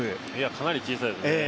かなり小さいですね。